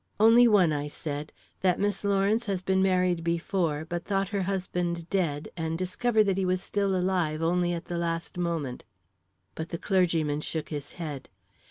"Only one," I said, "that Miss Lawrence has been married before, but thought her husband dead, and discovered that he was still alive only at the last moment." But the clergyman shook his head.